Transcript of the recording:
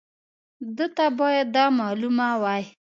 ده ته باید دا معلومه وای.